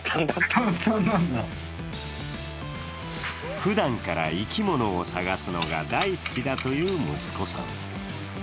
ふだんから生き物を探すのが大好きだという息子さん。